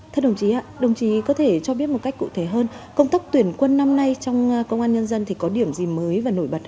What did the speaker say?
thưa đồng chí đồng chí có thể cho biết một cách cụ thể hơn công tác tuyển quân năm nay trong công an nhân dân thì có điểm gì mới và nổi bật